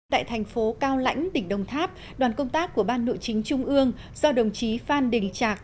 tại thành phố cao lãnh tỉnh đồng tháp đoàn công tác của ban nội chính trung ương do đồng chí phan đình trạc